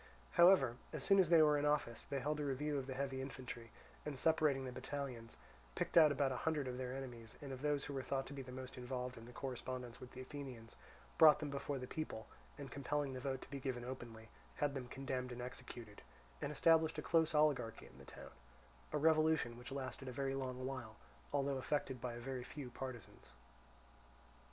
However, as soon as they were in office, they held a review of the heavy infantry, and separating the battalions, picked out about a hundred of their enemies, and of those who were thought to be most involved in the correspondence with the Athenians, brought them before the people, and compelling the vote to be given openly, had them condemned and executed, and established a close oligarchy in the town—a revolution which lasted a very long while, although effected by a very few partisans.